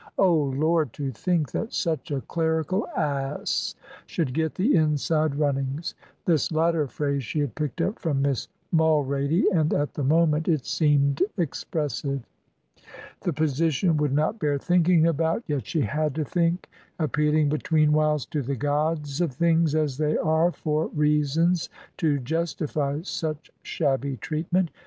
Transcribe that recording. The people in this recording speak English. Oh, Lord, to think that such a clerical ass should get the inside runnings!" This latter phrase she had picked up from Miss Mulrady, and at the moment it seemed expressive. The position would not bear thinking about; yet she had to think, appealing betweenwhiles to the gods of things as they are for reasons to justify such shabby treatment.